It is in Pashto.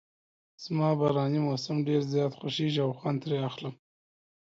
زما باراني موسم ډېر زیات خوښیږي او خوند ترې اخلم.